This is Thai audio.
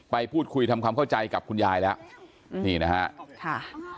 ไปพูดคุยทำความเข้าใจกับคุณยายแล้วนี่นะฮะค่ะ